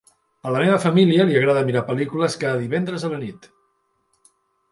A la meva família li agrada mirar pel·lícules cada divendres a la nit.